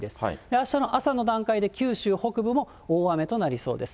あしたの朝の段階で九州北部も大雨となりそうです。